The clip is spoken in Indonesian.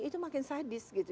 itu makin sadis gitu